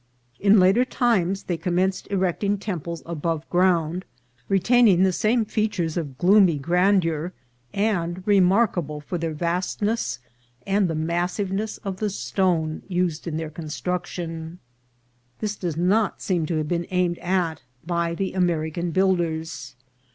In later times they commenced erecting temples above ground, retaining the same features of gloomy grandeur, and EGYPTIAN ARCHITECTURE. 441 remarkable for their vastness and the massiveness of the stone used in their construction. This does not seem to have been aimed at by the American builders.